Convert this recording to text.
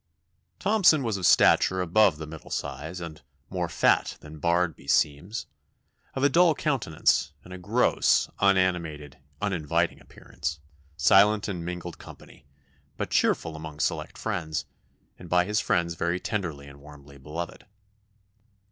] "Thomson was of stature above the middle size, and 'more fat than bard beseems,' of a dull countenance, and a gross, unanimated, uninviting appearance; silent in mingled company, but cheerful among select friends, and by his friends very tenderly and warmly beloved."